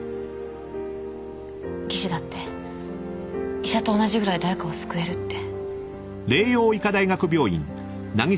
技師だって医者と同じぐらい誰かを救えるって。